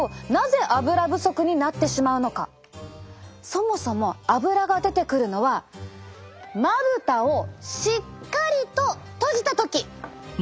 そもそもアブラが出てくるのはまぶたをしっかりと閉じた時。